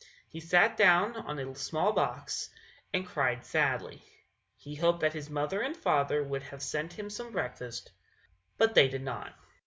He sat down on a small box and cried sadly. He hoped that his mother and father would have sent him some breakfast; but they did not.